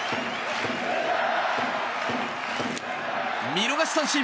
見逃し三振！